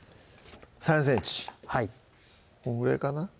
３ｃｍこのぐらいかな？